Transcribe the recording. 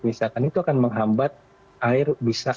misalkan itu akan menghambat air bisa